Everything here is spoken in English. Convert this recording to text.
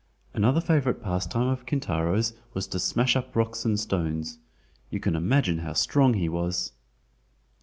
Another favorite pastime of Kintaro's was to smash up rocks and stones. You can imagine how strong he was!